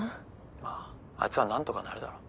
まああいつはなんとかなるだろ。